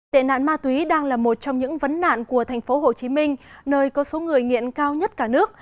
tệ nạn ma túy đang là một trong những vấn nạn của thành phố hồ chí minh nơi có số người nghiện cao nhất cả nước